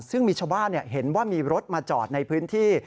ซึ่งมีชาวบ้านเห็นว่ามีรถมาจอดในพื้นที่